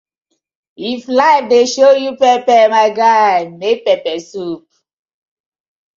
If life dey show you pepper, my guy make pepper soup.